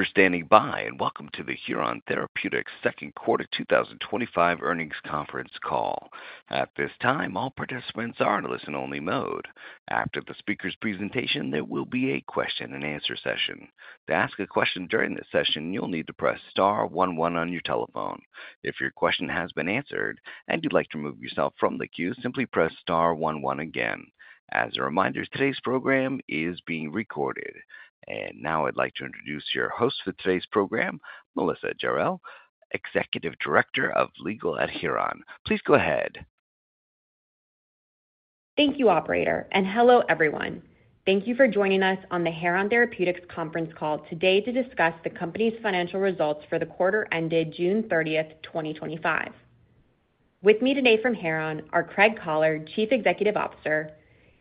Super standing by and welcome to the Heron Therapeutics Second Quarter 2025 Earnings Conference Call. At this time, all participants are in a listen-only mode. After the speaker's presentation, there will be a question-and-answer session. To ask a question during this session, you'll need to press star one one on your telephone. If your question has been answered and you'd like to remove yourself from the queue, simply press star one one again. As a reminder, today's program is being recorded. Now I'd like to introduce your host for today's program, Melissa Jarel, Executive Director of Legal at Heron Therapeutics. Please go ahead. Thank you, operator, and hello everyone. Thank you for joining us on the Heron Therapeutics conference call today to discuss the company's financial results for the quarter ended June 30, 2025. With me today from Heron are Craig Collard, Chief Executive Officer;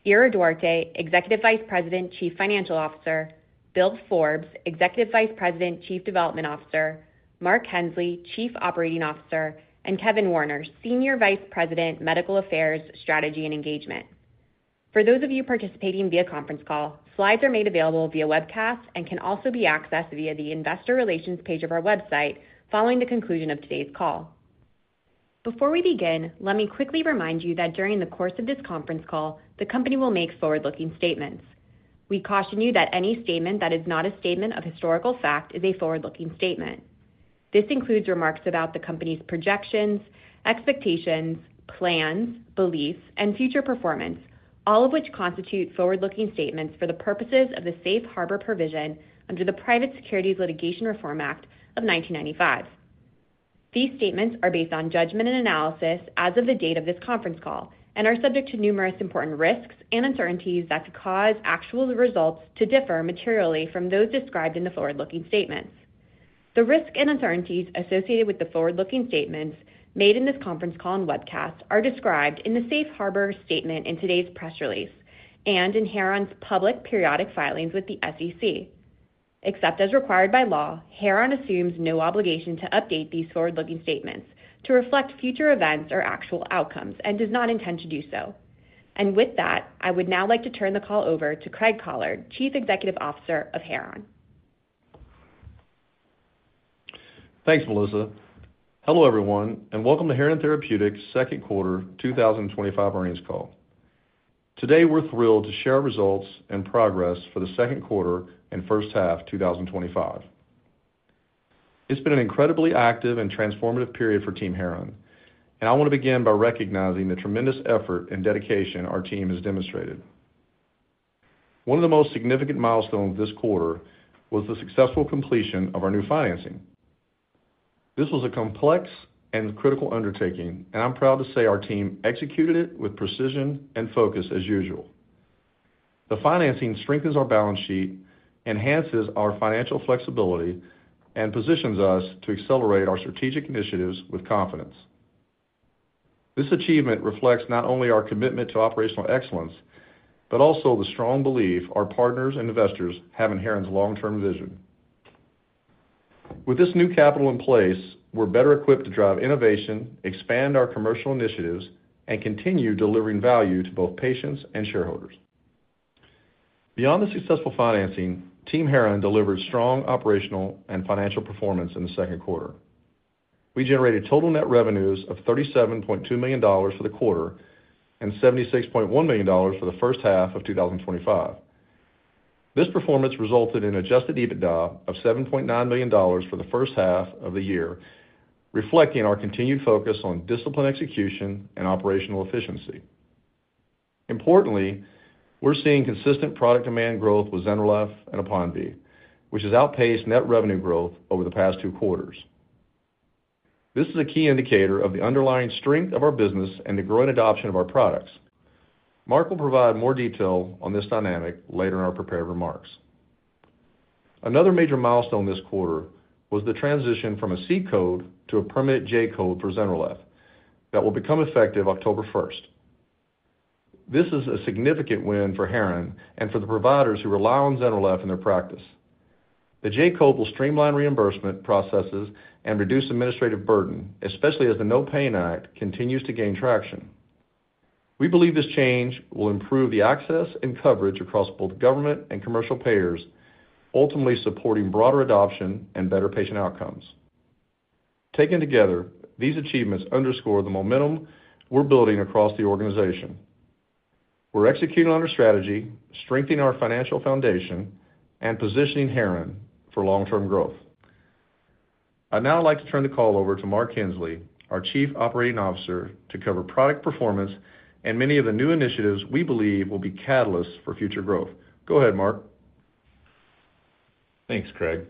Ira Duarte, Executive Vice President, Chief Financial Officer; Bill Forbes, Executive Vice President, Chief Development Officer; Mark Hensley, Chief Operating Officer; and Kevin Warner, Senior Vice President, Medical Affairs Strategy and Engagement. For those of you participating via conference call, slides are made available via webcast and can also be accessed via the Investor Relations page of our website following the conclusion of today's call. Before we begin, let me quickly remind you that during the course of this conference call, the company will make forward-looking statements. We caution you that any statement that is not a statement of historical fact is a forward-looking statement. This includes remarks about the company's projections, expectations, plans, beliefs, and future performance, all of which constitute forward-looking statements for the purposes of the Safe Harbor Provision under the Private Securities Litigation Reform Act of 1995. These statements are based on judgment and analysis as of the date of this conference call and are subject to numerous important risks and uncertainties that could cause actual results to differ materially from those described in the forward-looking statements. The risks and uncertainties associated with the forward-looking statements made in this conference call and webcast are described in the Safe Harbor statement in today's press release and in Heron's public periodic filings with the SEC. Except as required by law, Heron assumes no obligation to update these forward-looking statements to reflect future events or actual outcomes and does not intend to do so. I would now like to turn the call over to Craig Collard, Chief Executive Officer of Heron. Thanks, Melissa. Hello everyone, and welcome to Heron Therapeutics' Second Quarter 2025 Earnings Call. Today, we're thrilled to share results and progress for the second quarter and first half of 2025. It's been an incredibly active and transformative period for Team Heron, and I want to begin by recognizing the tremendous effort and dedication our team has demonstrated. One of the most significant milestones this quarter was the successful completion of our new financing. This was a complex and critical undertaking, and I'm proud to say our team executed it with precision and focus as usual. The financing strengthens our balance sheet, enhances our financial flexibility, and positions us to accelerate our strategic initiatives with confidence. This achievement reflects not only our commitment to operational excellence, but also the strong belief our partners and investors have in Heron's long-term vision. With this new capital in place, we're better equipped to drive innovation, expand our commercial initiatives, and continue delivering value to both patients and shareholders. Beyond the successful financing, Team Heron delivered strong operational and financial performance in the second quarter. We generated total net revenues of $37.2 million for the quarter and $76.1 million for the first half of 2025. This performance resulted in an adjusted EBITDA of $7.9 million for the first half of the year, reflecting our continued focus on disciplined execution and operational efficiency. Importantly, we're seeing consistent product demand growth with ZYNRELEF and APONVIE, which has outpaced net revenue growth over the past two quarters. This is a key indicator of the underlying strength of our business and the growing adoption of our products. Mark will provide more detail on this dynamic later in our prepared remarks. Another major milestone this quarter was the transition from a C code to a permanent J code for ZYNRELEF that will become effective October 1st. This is a significant win for Heron and for the providers who rely on ZYNRELEF in their practice. The J code will streamline reimbursement processes and reduce administrative burden, especially as the No Pay Act continues to gain traction. We believe this change will improve the access and coverage across both government and commercial payers, ultimately supporting broader adoption and better patient outcomes. Taken together, these achievements underscore the momentum we're building across the organization. We're executing on our strategy, strengthening our financial foundation, and positioning Heron for long-term growth. I'd now like to turn the call over to Mark Hensley, our Chief Operating Officer, to cover product performance and many of the new initiatives we believe will be catalysts for future growth. Go ahead, Mark. Thanks, Craig.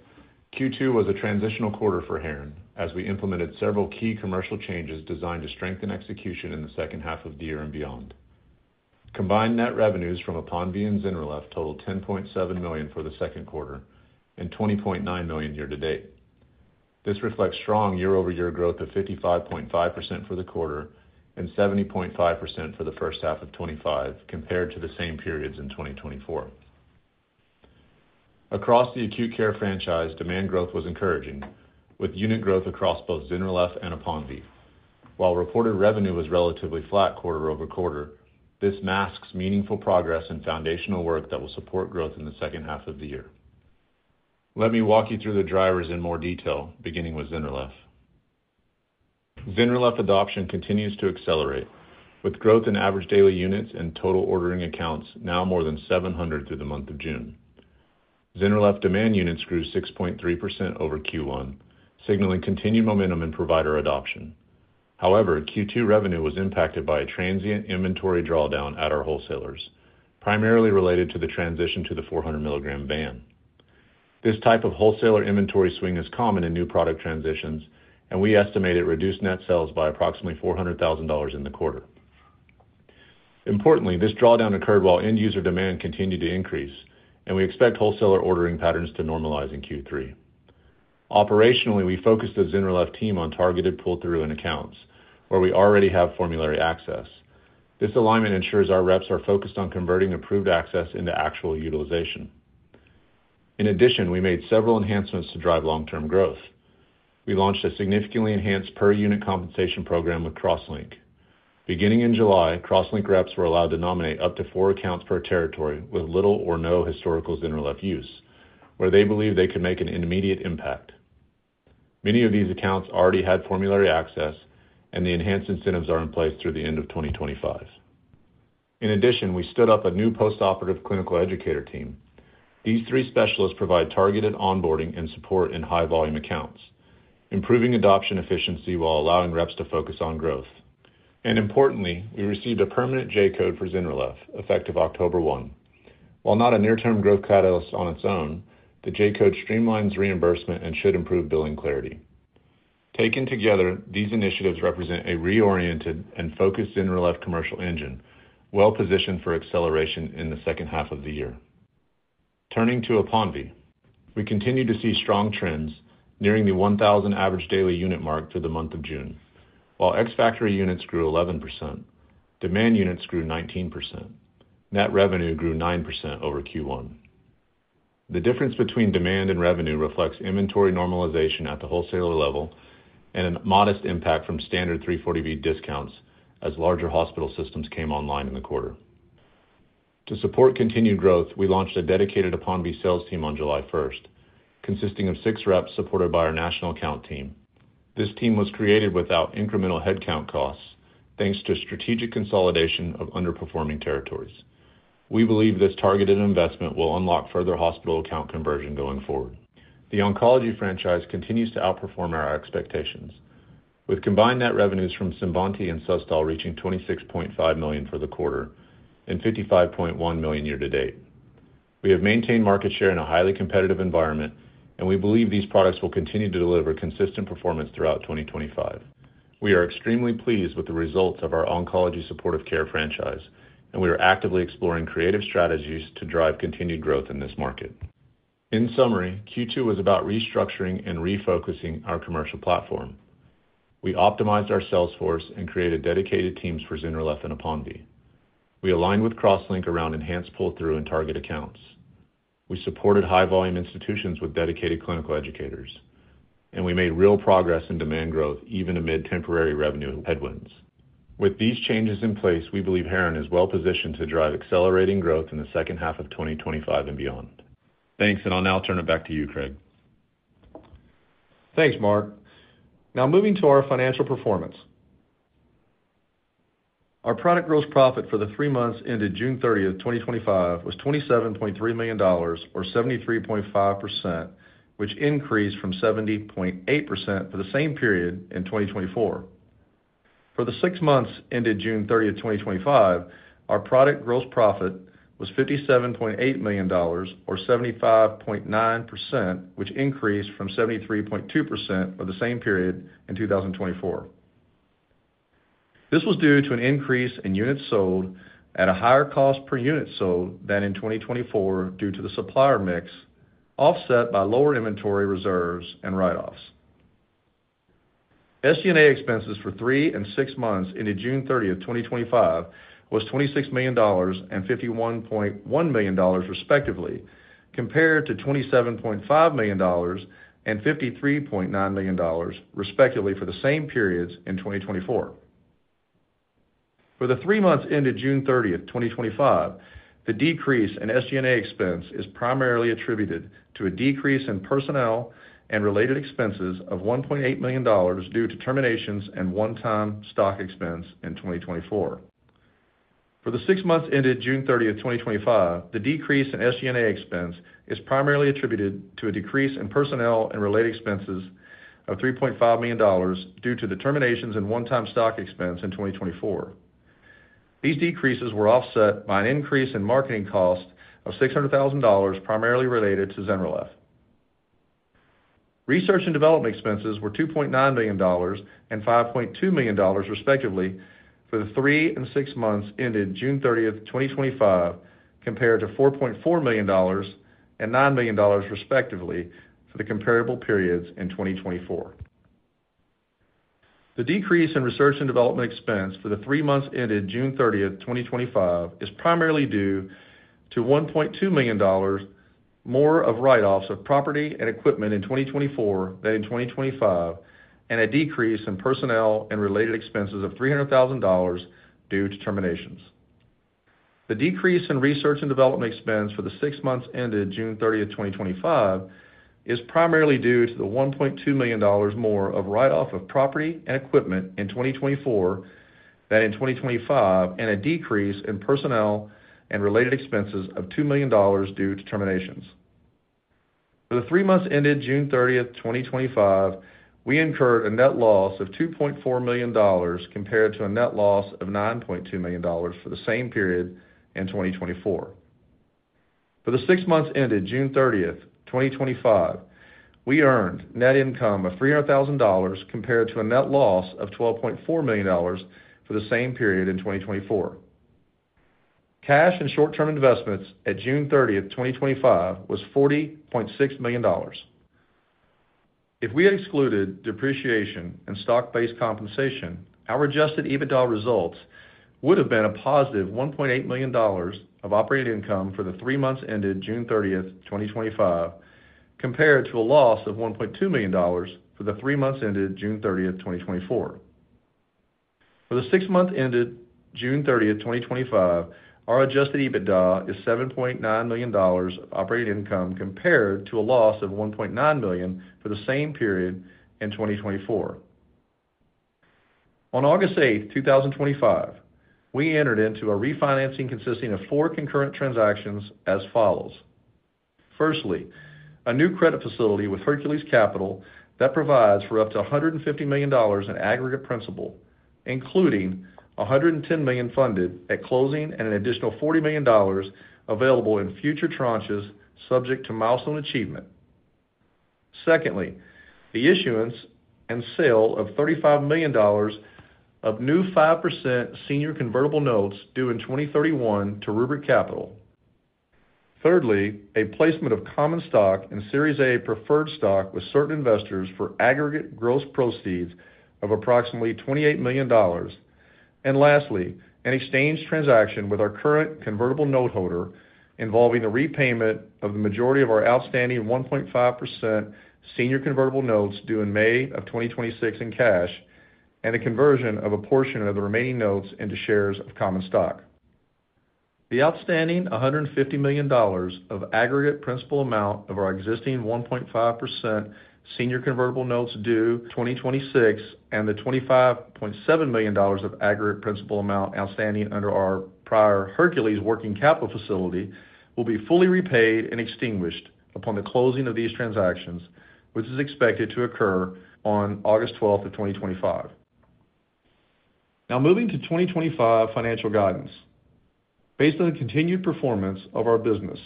Q2 was a transitional quarter for Heron as we implemented several key commercial changes designed to strengthen execution in the second half of the year and beyond. Combined net revenues from APONVIE and ZYNRELEF totaled $10.7 million for the second quarter and $20.9 million year to date. This reflects strong year-over-year growth of 55.5% for the quarter and 70.5% for the first half of 2025 compared to the same periods in 2024. Across the acute care franchise, demand growth was encouraging, with unit growth across both ZYNRELEF and APONVIE. While reported revenue was relatively flat quarter-over-quarter, this masks meaningful progress and foundational work that will support growth in the second half of the year. Let me walk you through the drivers in more detail, beginning with ZYNRELEF. ZYNRELEF adoption continues to accelerate, with growth in average daily units and total ordering accounts now more than 700 through the month of June. ZYNRELEF demand units grew 6.3% over Q1, signaling continued momentum in provider adoption. However, Q2 revenue was impacted by a transient inventory drawdown at our wholesalers, primarily related to the transition to the 400 mg VAN. This type of wholesaler inventory swing is common in new product transitions, and we estimate it reduced net sales by approximately $400,000 in the quarter. Importantly, this drawdown occurred while end-user demand continued to increase, and we expect wholesaler ordering patterns to normalize in Q3. Operationally, we focused the ZYNRELEF team on targeted pull-through and accounts where we already have formulary access. This alignment ensures our reps are focused on converting approved access into actual utilization. In addition, we made several enhancements to drive long-term growth. We launched a significantly enhanced per-unit compensation program with CrossLink. Beginning in July, CrossLink reps were allowed to nominate up to four accounts per territory with little or no historical ZYNRELEF use, where they believe they could make an immediate impact. Many of these accounts already had formulary access, and the enhanced incentives are in place through the end of 2025. In addition, we stood up a new postoperative clinical educator team. These three specialists provide targeted onboarding and support in high-volume accounts, improving adoption efficiency while allowing reps to focus on growth. Importantly, we received a permanent J code for ZYNRELEF effective October 1. While not a near-term growth catalyst on its own, the J code streamlines reimbursement and should improve billing clarity. Taken together, these initiatives represent a reoriented and focused ZYNRELEF commercial engine, well positioned for acceleration in the second half of the year. Turning to APONVIE, we continue to see strong trends, nearing the 1,000 average daily unit mark through the month of June. While ex-factory units grew 11%, demand units grew 19%. Net revenue grew 9% over Q1. The difference between demand and revenue reflects inventory normalization at the wholesaler level and a modest impact from standard 340B discounts as larger hospital systems came online in the quarter. To support continued growth, we launched a dedicated APONVIE sales team on July 1st, consisting of six reps supported by our national account team. This team was created without incremental headcount costs, thanks to strategic consolidation of underperforming territories. We believe this targeted investment will unlock further hospital account conversion going forward. The oncology franchise continues to outperform our expectations, with combined net revenues from CINVANTI and SUSTOL reaching $26.5 million for the quarter and $55.1 million year to date. We have maintained market share in a highly competitive environment, and we believe these products will continue to deliver consistent performance throughout 2025. We are extremely pleased with the results of our oncology supportive care franchise, and we are actively exploring creative strategies to drive continued growth in this market. In summary, Q2 was about restructuring and refocusing our commercial platform. We optimized our sales force and created dedicated teams for ZYNRELEF and APONVIE. We aligned with CrossLink around enhanced pull-through and target accounts. We supported high-volume institutions with dedicated clinical educators, and we made real progress in demand growth even amid temporary revenue headwinds. With these changes in place, we believe Heron is well positioned to drive accelerating growth in the second half of 2025 and beyond. Thanks, and I'll now turn it back to you, Craig. Thanks, Mark. Now moving to our financial performance. Our product gross profit for the three months ended June 30, 2025 was $27.3 million, or 73.5%, which increased from 70.8% for the same period in 2024. For the six months ended June 30, 2025, our product gross profit was $57.8 million, or 75.9%, which increased from 73.2% for the same period in 2024. This was due to an increase in units sold at a higher cost per unit sold than in 2024 due to the supplier mix offset by lower inventory reserves and write-offs. SG&A expenses for three and six months ended June 30, 2025 were $26 million and $51.1 million, respectively, compared to $27.5 million and $53.9 million, respectively, for the same periods in 2024. For the three months ended June 30, 2025, the decrease in SG&A expense is primarily attributed to a decrease in personnel and related expenses of $1.8 million due to terminations and one-time stock expense in 2024. For the six months ended June 30, 2025, the decrease in SG&A expense is primarily attributed to a decrease in personnel and related expenses of $3.5 million due to the terminations and one-time stock expense in 2024. These decreases were offset by an increase in marketing costs of $600,000, primarily related to ZYNRELEF. Research and development expenses were $2.9 million and $5.2 million, respectively, for the three and six months ended June 30, 2025, compared to $4.4 million and $9 million, respectively, for the comparable periods in 2024. The decrease in research and development expense for the three months ended June 30, 2025 is primarily due to $1.2 million more of write-offs of property and equipment in 2024 than in 2025, and a decrease in personnel and related expenses of $300,000 due to terminations. The decrease in research and development expense for the six months ended June 30, 2025 is primarily due to the $1.2 million more of write-offs of property and equipment in 2024 than in 2025, and a decrease in personnel and related expenses of $2 million due to terminations. For the three months ended June 30, 2025, we incurred a net loss of $2.4 million compared to a net loss of $9.2 million for the same period in 2024. For the six months ended June 30, 2025, we earned net income of $300,000 compared to a net loss of $12.4 million for the same period in 2024. Cash and short-term investments at June 30, 2025 was $40.6 million. If we excluded depreciation and stock-based compensation, our adjusted EBITDA results would have been a positive $1.8 million of operating income for the three months ended June 30, 2025, compared to a loss of $1.2 million for the three months ended June 30, 2024. For the six months ended June 30, 2025, our adjusted EBITDA is $7.9 million of operating income compared to a loss of $1.9 million for the same period in 2024. On August 8, 2025, we entered into a refinancing consisting of four concurrent transactions as follows. Firstly, a new credit facility with Hercules Capital that provides for up to $150 million in aggregate principal, including $110 million funded at closing and an additional $40 million available in future tranches subject to milestone achievement. Secondly, the issuance and sale of $35 million of new 5% senior convertible notes due in 2031 to Rubric Capital. Thirdly, a placement of common stock and Series A preferred stock with certain investors for aggregate gross proceeds of approximately $28 million. Lastly, an exchange transaction with our current convertible noteholder involving the repayment of the majority of our outstanding 1.5% senior convertible notes due in May of 2026 in cash and the conversion of a portion of the remaining notes into shares of common stock. The outstanding $150 million of aggregate principal amount of our existing 1.5% senior convertible notes due in 2026 and the $25.7 million of aggregate principal amount outstanding under our prior Hercules Capital working capital facility will be fully repaid and extinguished upon the closing of these transactions, which is expected to occur on August 12, 2025. Now moving to 2025 financial guidance. Based on the continued performance of our business,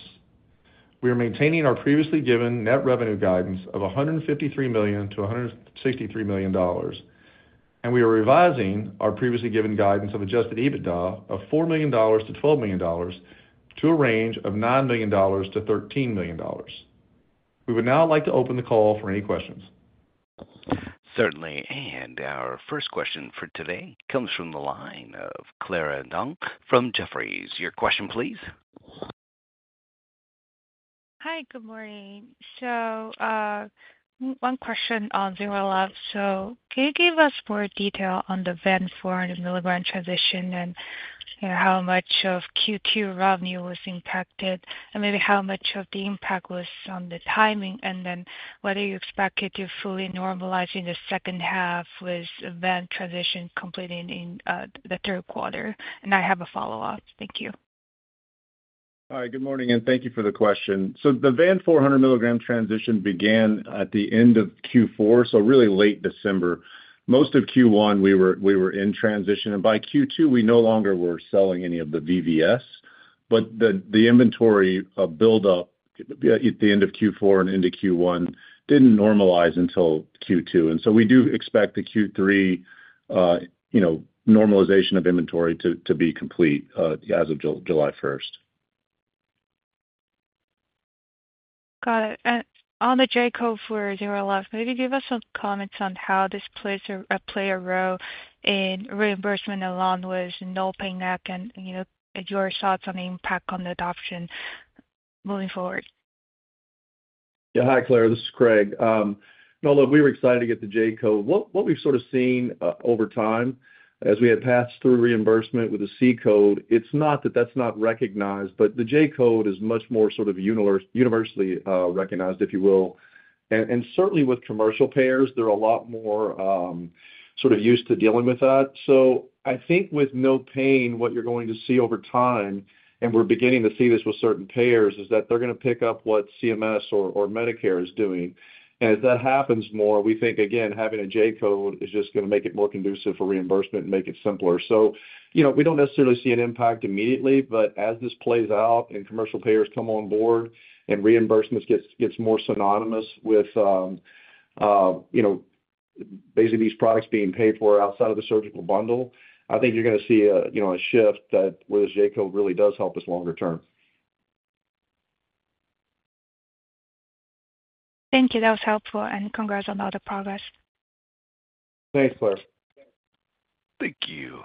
we are maintaining our previously given net revenue guidance of $153 million-$163 million, and we are revising our previously given guidance of adjusted EBITDA of $4 million-$12 million to a range of $9 million-$13 million. We would now like to open the call for any questions. Certainly, and our first question for today comes from the line of Clara Dong from Jefferies LLC. Your question, please. Hi, good morning. One question on ZYNRELEF. Can you give us more detail on the 400 mg transition and how much of Q2 revenue was impacted, and maybe how much of the impact was on the timing, and whether you expect it to fully normalize in the second half with the VAN transition completing in the third quarter? I have a follow-up. Thank you. Hi, good morning, and thank you for the question. The VAN 400 mg transition began at the end of Q4, so really late December. Most of Q1, we were in transition, and by Q2, we no longer were selling any of the VVS, but the inventory buildup at the end of Q4 and into Q1 didn't normalize until Q2. We do expect the Q3 normalization of inventory to be complete as of July 1st. Got it. On the J code for ZYNRELEF, can you give us some comments on how this plays a role in reimbursement along with the No Pay Act, and your thoughts on the impact on the adoption moving forward? Yeah, hi, Clara. This is Craig. Although we were excited to get the J code, what we've sort of seen over time as we have passed through reimbursement with the C code, it's not that that's not recognized, but the J code is much more universally recognized, if you will. Certainly with commercial payers, they're a lot more used to dealing with that. I think with no paying, what you're going to see over time, and we're beginning to see this with certain payers, is that they're going to pick up what CMS or Medicare is doing. If that happens more, we think, again, having a J code is just going to make it more conducive for reimbursement and make it simpler. We don't necessarily see an impact immediately, but as this plays out and commercial payers come on board and reimbursement gets more synonymous with basically these products being paid for outside of the surgical bundle, I think you're going to see a shift that whereas J code really does help us longer term. Thank you. That was helpful, and congrats on all the progress. Thanks, Clara. Thank you.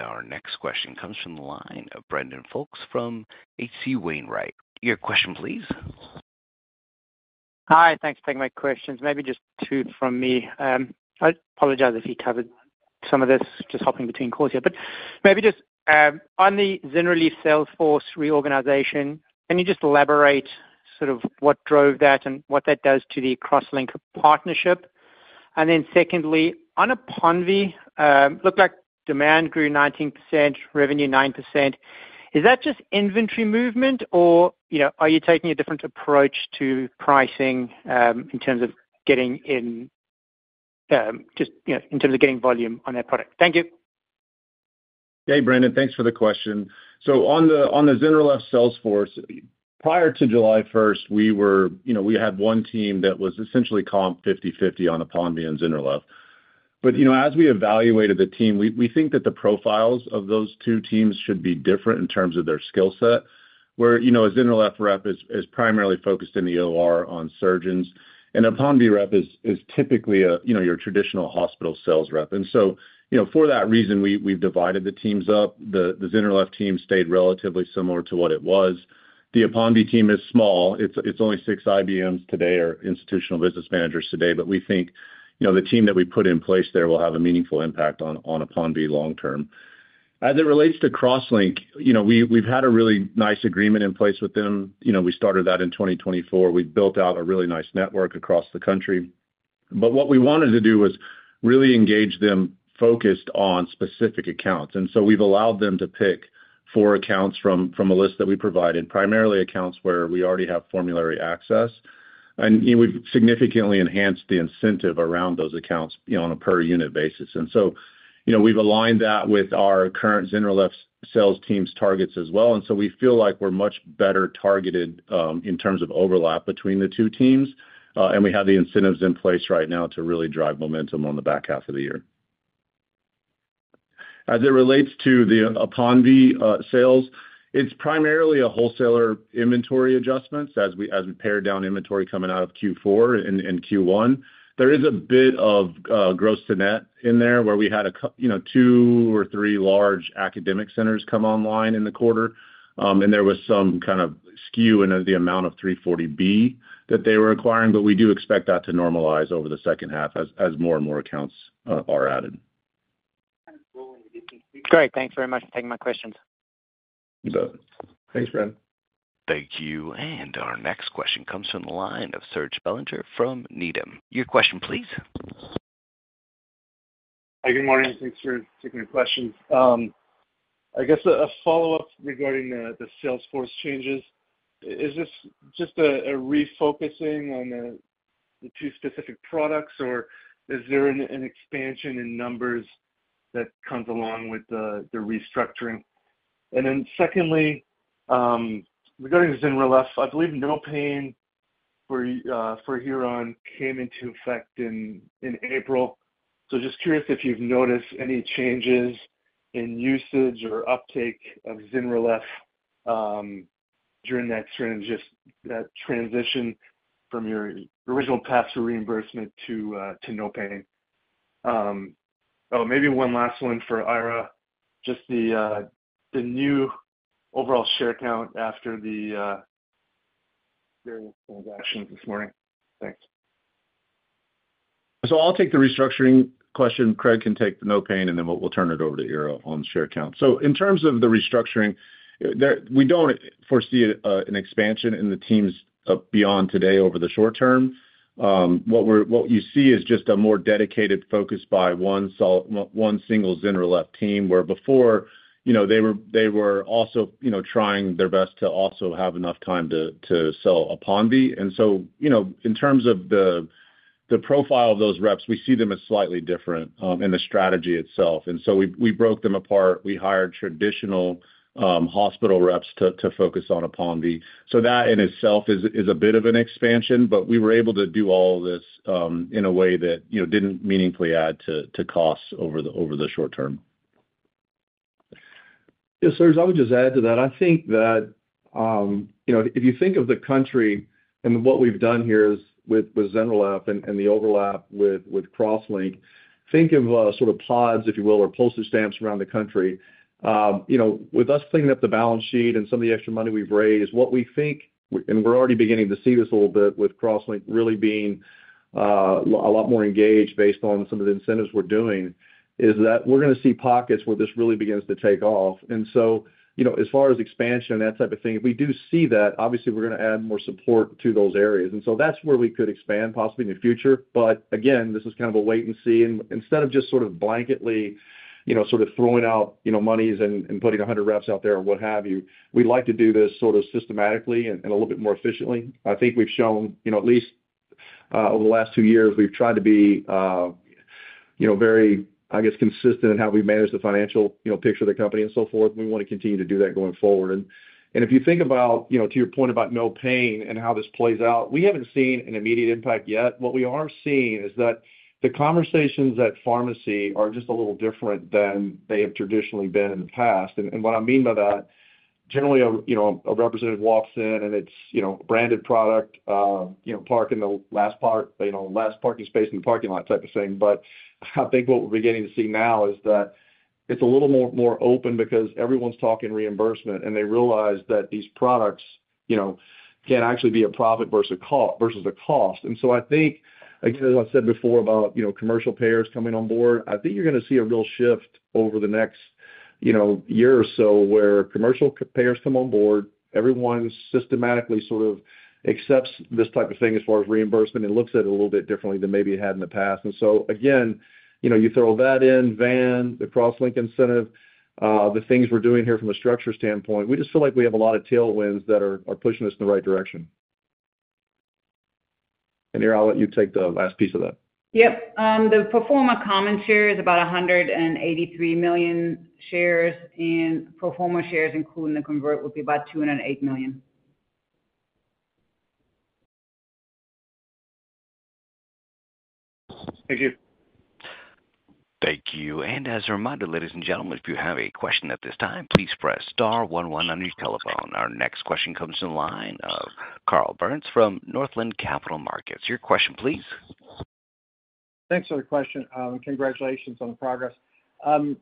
Our next question comes from the line of Brandon Folkes from H.C. Wainwright.Your question, please. Hi, thanks for taking my questions. Maybe just two from me. I apologize if you covered some of this just hopping between calls here, but maybe just on the ZYNRELEF salesforce reorganization, can you just elaborate sort of what drove that and what that does to the CrossLink partnership? Then secondly, on APONVIE, it looked like demand grew 19%, revenue 9%. Is that just inventory movement, or are you taking a different approach to pricing in terms of getting in, just, you know, in terms of getting volume on that product? Thank you. Hey, Brandon, thanks for the question. On the ZYNRELEF salesforce, prior to July 1st, we had one team that was essentially comp 50/50 on APONVIE and ZYNRELEF. As we evaluated the team, we think that the profiles of those two teams should be different in terms of their skill set. A ZYNRELEF rep is primarily focused in the OR on surgeons, and an APONVIE rep is typically your traditional hospital sales rep. For that reason, we've divided the teams up. The ZYNRELEF team stayed relatively similar to what it was. The APONVIE team is small. It's only six IBMs today, or Institutional Business Managers today, but we think the team that we put in place there will have a meaningful impact on APONVIE long term. As it relates to CrossLink, we've had a really nice agreement in place with them. We started that in 2024. We've built out a really nice network across the country. What we wanted to do was really engage them focused on specific accounts. We've allowed them to pick four accounts from a list that we provided, primarily accounts where we already have formulary access. We've significantly enhanced the incentive around those accounts on a per-unit basis. We've aligned that with our current ZYNRELEF sales team's targets as well. We feel like we're much better targeted in terms of overlap between the two teams, and we have the incentives in place right now to really drive momentum on the back half of the year. As it relates to the APONVIE sales, it's primarily a wholesaler inventory adjustment as we pared down inventory coming out of Q4 and Q1. There is a bit of gross to net in there where we had two or three large academic centers come online in the quarter, and there was some kind of skew in the amount of 340B that they were acquiring, but we do expect that to normalize over the second half as more and more accounts are added. Great, thanks very much for taking my questions. You bet. Thanks, Brandon. Thank you. Our next question comes from the line of Serge Belanger from Needham. Your question, please. Hi, good morning. Thanks for taking the question. I guess a follow-up regarding the salesforce changes. Is this just a refocusing on the two specific products, or is there an expansion in numbers that comes along with the restructuring? Secondly, regarding ZYNRELEF, I believe No Pay Act for Heron came into effect in April. Just curious if you've noticed any changes in usage or uptake of ZYNRELEF during that transition from your original path to reimbursement to No Pay. Maybe one last one for Ira, just the new overall share count after the various transactions this morning. Thanks. I'll take the restructuring question. Craig can take the No Pay Act, and then we'll turn it over to Ira on the share count. In terms of the restructuring, we don't foresee an expansion in the teams beyond today over the short term. What you see is just a more dedicated focus by one single ZYNRELEF team, where before, they were also trying their best to also have enough time to sell APONVIE. In terms of the profile of those reps, we see them as slightly different in the strategy itself, and so we broke them apart. We hired traditional hospital reps to focus on APONVIE. That in itself is a bit of an expansion, but we were able to do all of this in a way that didn't meaningfully add to costs over the short term. Yeah, Serge, I would just add to that. I think that, you know, if you think of the country and what we've done here with ZYNRELEF and the overlap with CrossLink, think of sort of pods, if you will, or postage stamps around the country. You know, with us cleaning up the balance sheet and some of the extra money we've raised, what we think, and we're already beginning to see this a little bit with CrossLink really being a lot more engaged based on some of the incentives we're doing, is that we're going to see pockets where this really begins to take off. As far as expansion and that type of thing, if we do see that, obviously we're going to add more support to those areas. That's where we could expand possibly in the future. Again, this is kind of a wait and see. Instead of just sort of blanketly, you know, sort of throwing out, you know, monies and putting 100 reps out there or what have you, we'd like to do this sort of systematically and a little bit more efficiently. I think we've shown, you know, at least over the last two years, we've tried to be, you know, very, I guess, consistent in how we manage the financial, you know, picture of the company and so forth. We want to continue to do that going forward. If you think about, you know, to your point about No Pay Act and how this plays out, we haven't seen an immediate impact yet. What we are seeing is that the conversations at pharmacy are just a little different than they have traditionally been in the past. What I mean by that, generally, you know, a representative walks in and it's, you know, a branded product, you know, park in the last parking space in the parking lot type of thing. I think what we're beginning to see now is that it's a little more open because everyone's talking reimbursement and they realize that these products, you know, can actually be a profit versus the cost. I think, again, as I said before about, you know, commercial payers coming on board, I think you're going to see a real shift over the next, you know, year or so where commercial payers come on board, everyone systematically sort of accepts this type of thing as far as reimbursement and looks at it a little bit differently than maybe it had in the past. Again, you know, you throw that in VAN, the CrossLink incentive, the things we're doing here from a structure standpoint, we just feel like we have a lot of tailwinds that are pushing us in the right direction. Here, I'll let you take the last piece of that. Yep. The pro forma common share is about 183 million shares, and pro forma shares, including the convert, will be about 208 million. Thank you. Thank you. As a reminder, ladies and gentlemen, if you have a question at this time, please press star one one on your telephone. Our next question comes in line of Carl Byrnes from Northland Capital Markets. Your question, please. Thanks for the question. Congratulations on the progress. I'm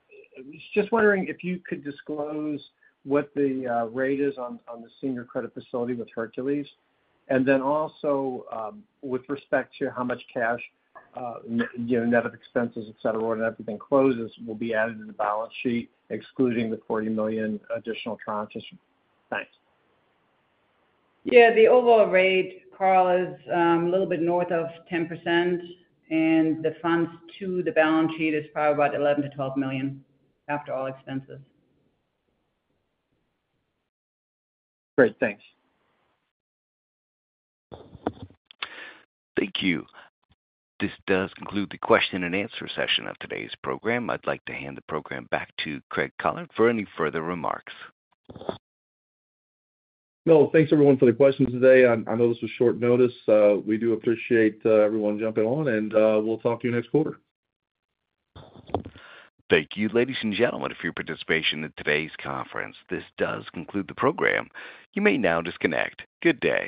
just wondering if you could disclose what the rate is on the senior credit facility with Hercules Capital. With respect to how much cash, you know, net of expenses, etc., when everything closes will be added to the balance sheet, excluding the $40 million additional tranches. Thanks. Yeah, the overall rate, Carl, is a little bit north of 10%. The funds to the balance sheet is probably about $11 million-$12 million after all expenses. Great, thanks. Thank you. This does conclude the question-and-answer session of today's program. I'd like to hand the program back to Craig Collard for any further remarks. Thank you everyone for the questions today. I know this was short notice. We do appreciate everyone jumping on, and we'll talk to you next quarter. Thank you, ladies and gentlemen, for your participation in today's conference. This does conclude the program. You may now disconnect. Good day.